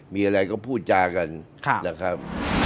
มีอะไรก็พูดจากันนะครับ